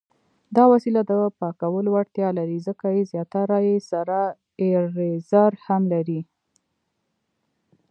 دا وسیله د پاکولو وړتیا لري، ځکه چې زیاتره یې سره ایریزر هم لري.